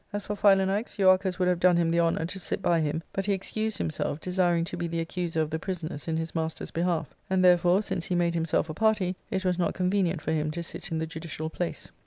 As for Phi lanax, Euarchus would have done him the honour to sit by him, but he excused himself, desiring to be the accuser of the prisoners in his master's behalf; and therefore, since he made himself a party,* it was not convenient for him to sit in the judicial place.